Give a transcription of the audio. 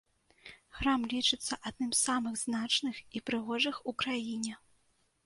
Храм лічыцца адным з самых значных і прыгожых у краіне.